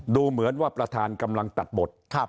ดูเหมือนว่าประธานกำลังตัดบท